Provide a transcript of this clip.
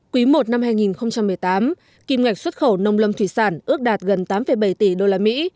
quý i năm hai nghìn một mươi tám kìm ngạch xuất khẩu nông lâm thủy sản ước đạt gần tám bảy tỷ usd